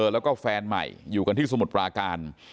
แล้วก็แฟนใหม่อยู่กันที่สมุทรปราการ